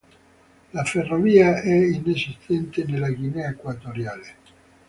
La ferrovia è inesistente nella Guinea Equatoriale.